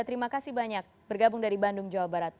terima kasih banyak bergabung dari bandung jawa barat